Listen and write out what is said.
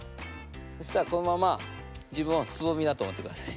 そしたらこのまま自分をつぼみだと思ってください。